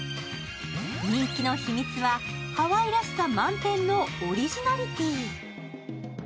人気の秘密は、ハワイらしさ満点のオリジナリティー。